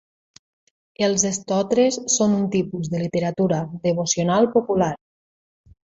Els stotres són un tipus de literatura devocional popular.